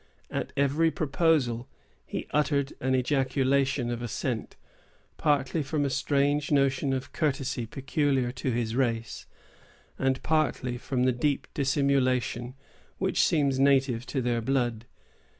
At every proposal, he uttered an ejaculation of assent, partly from a strange notion of courtesy peculiar to his race, and partly from the deep dissimulation which seems native to their blood.